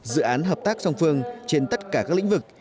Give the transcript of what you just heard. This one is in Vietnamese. dự án hợp tác song phương trên tất cả các lĩnh vực